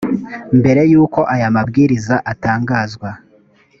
mbere y uko aya mabwiriza atangazwa